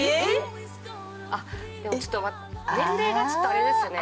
あっでもちょっと年齢がちょっとあれですよね。